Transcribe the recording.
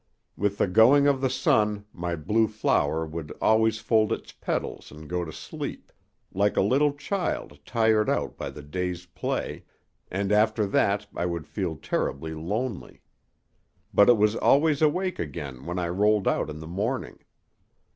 With the going of the sun my blue flower would always fold its petals and go to sleep, like a little child tired out by the day's play, and after that I would feel terribly lonely. But it was always awake again when I rolled out in the morning.